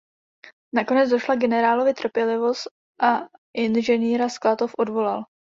Nakonec došla generálovi trpělivost a inženýra z Klatov odvolal.